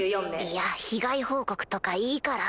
いや被害報告とかいいから。